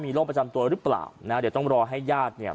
โรคประจำตัวหรือเปล่านะเดี๋ยวต้องรอให้ญาติเนี่ย